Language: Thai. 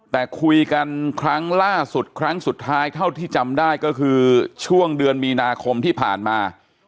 แต่คุยกันครั้งล่าสุดครั้งสุดท้ายเท่าที่จำได้ก็คือช่วงเดือนมีนาคมที่ผ่านมา